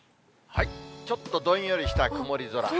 ちょっとどんよりした曇り空。